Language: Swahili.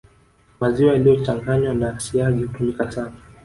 Maziwa yaliyochanganywa na siagi hutumika sana